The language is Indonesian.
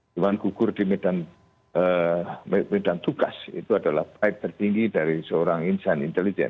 cuman kukur di medan tugas itu adalah pride tertinggi dari seorang insan intelijen